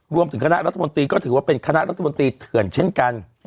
คณะรัฐมนตรีก็ถือว่าเป็นคณะรัฐมนตรีเถื่อนเช่นกัน